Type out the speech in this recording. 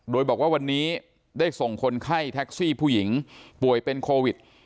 โดยบอกว่าวันนี้ได้ส่งคนไข้แท็กซี่ผู้หญิงป่วยเป็นโควิด